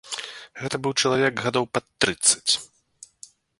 Гэта быў чалавек гадоў пад трыццаць.